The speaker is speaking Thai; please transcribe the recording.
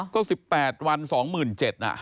ก็๑๘วัน๒๗๐๐๐บาทอ่ะ